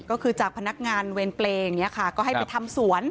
ก็คือจากพนักงานเวรเปรย์อย่างนี้ค่ะก็ให้ไปทำสวน